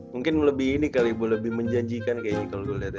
mungkin lebih ini kali ibu lebih menjanjikan kayak gini kalo gue liat ya